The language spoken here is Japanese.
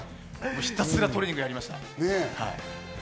ひたすらトレーニングやりました。